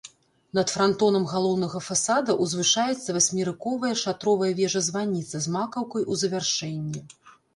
Над франтонам галоўнага фасада ўзвышаецца васьмерыковая шатровая вежа-званіца з макаўкай у завяршэнні.